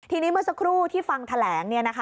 ทีนี้เมื่อสักครู่ที่ฟังแถลง